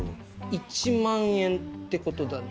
１万円ってことだね。